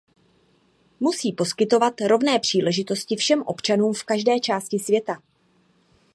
Musí poskytovat rovné příležitosti všem občanům v každé části světa.